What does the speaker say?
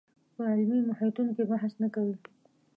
په علمي محیطونو کې بحث نه کوي